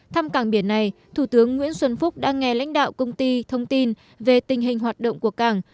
thăm cảng biển này thủ tướng nguyễn xuân phúc đã nghe lãnh đạo công ty thông tin về tình hình hoạt động của cảng